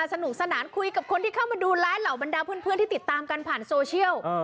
สนุกสนานคุยกับคนที่เข้ามาดูไลฟ์เหล่าบรรดาเพื่อนที่ติดตามกันผ่านโซเชียล